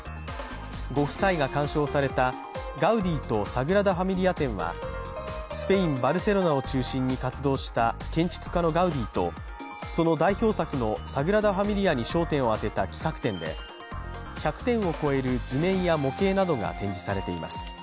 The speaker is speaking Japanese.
ご夫妻が鑑賞された「ガウディとサグラダ・ファミリア展」は、スペイン・バルセロナを中心に活動した建築家のガウディとその代表作のサグラダ・ファミリアに焦点を当てた企画展で１００点を超える図面や模型などが展示されています。